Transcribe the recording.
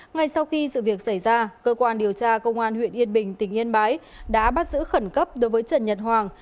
ngay sau khi sự việc xảy ra cơ quan điều tra công an huyện yên bình tỉnh yên bái đã bắt giữ khẩn cấp đối với trần nhật hoàng